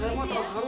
saya mah terharu